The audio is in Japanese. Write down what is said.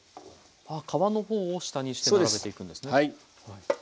あっ皮の方を下にして並べていくんですね。